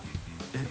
えっ？